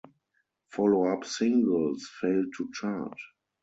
Follow-up singles failed to chart.